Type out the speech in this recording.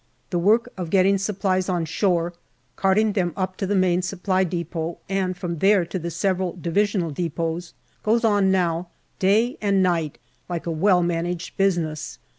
The work of get ting supplies on shore, carting them up to the Main Supply depot, and from there to the several divisional depots, goes on now day and night like a well managed business.